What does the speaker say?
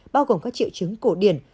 bao gồm các triệu chứng cổ điển